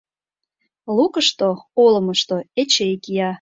Лукышто, олымышто, Эчей кия.